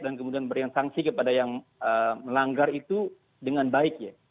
dan kemudian berikan sanksi kepada yang melanggar itu dengan baik ya